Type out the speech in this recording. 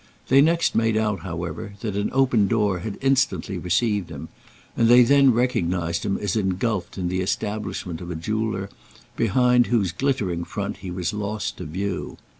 They next made out, however, that an open door had instantly received him, and they then recognised him as engulfed in the establishment of a jeweller, behind whose glittering front he was lost to view.